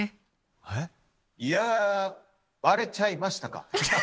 いやー、ばれちゃいましたか。